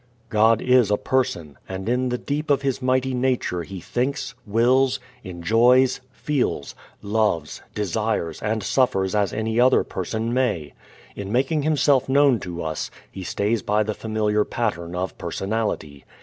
God is a Person, and in the deep of His mighty nature He thinks, wills, enjoys, feels, loves, desires and suffers as any other person may. In making Himself known to us He stays by the familiar pattern of personality.